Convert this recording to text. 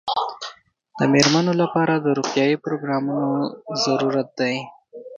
د مېرمنو لپاره د روغتیايي پروګرامونو ضرورت دی.